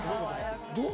どう？